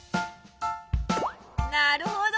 なるほど！